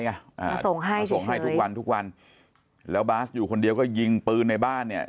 มาส่งให้ทุกวันแล้วบาร์สอยู่คนเดียวก็ยิงปืนในบ้านเนี่ย